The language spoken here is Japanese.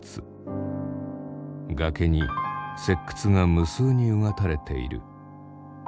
崖に石窟が無数にうがたれている。